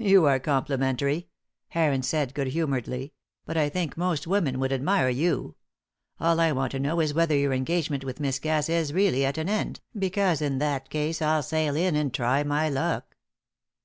"You are complimentary," Heron said, good humouredly, "but I think most women would admire you. All I want to know is whether your engagement with Miss Cass is really at an end, because in that case I'll sail in and try my luck."